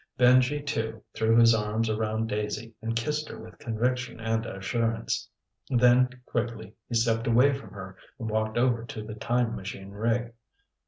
Benji II threw his arms around Daisy and kissed her with conviction and assurance. Then, quickly, he stepped away from her and walked over to the time machine rig.